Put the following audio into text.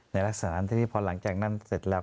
ในลักษณะนั้นพอหลังจากนั้นเสร็จแล้ว